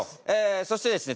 そしてですね